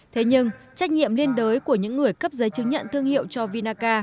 thế nhưng trách nhiệm liên đới của những người cấp giấy chứng nhận thương hiệu cho vinaca